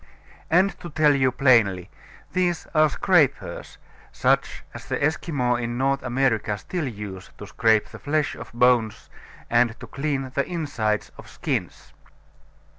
And to tell you plainly, these are scrapers such as the Esquimaux in North America still use to scrape the flesh off bones, and to clean the insides of skins.